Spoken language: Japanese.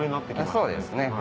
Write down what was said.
そうですね。